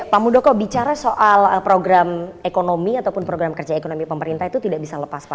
pak mudoko bicara soal program ekonomi ataupun program kerja ekonomi pemerintah itu tidak bisa lepas pak